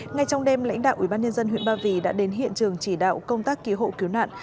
ngay trong đêm lãnh đạo ubnd huyện ba vì đã đến hiện trường chỉ đạo công tác cứu hộ cứu nạn